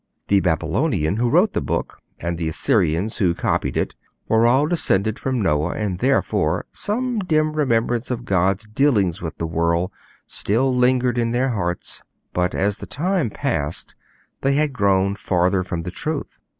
The Babylonian who wrote the book, and the Assyrians who copied it, were all descended from Noah, and therefore some dim remembrance of God's dealings with the world still lingered in their hearts; but as the time passed they had grown farther from the truth.